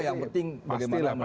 yang penting bagaimana melihat